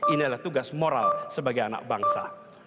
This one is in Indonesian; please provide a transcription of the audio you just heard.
ini adalah tugas moral sebagai anak bangsa